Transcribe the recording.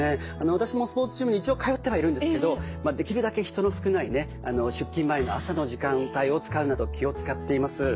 私もスポーツジムに一応通ってはいるんですけどできるだけ人の少ないね出勤前の朝の時間帯を使うなど気を遣っています。